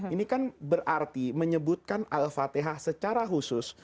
ini kan berarti menyebutkan al fatihah secara khusus